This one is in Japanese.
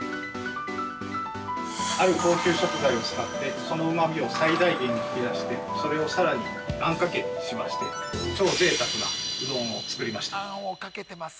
◆ある高級食材を使って、そのうまみを最大限に引き出してそれをさらにあんかけにしまして、超ぜいたくなうどんを作りました。